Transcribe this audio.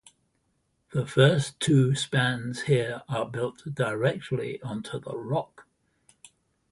The first two spans here are built directly onto the rock.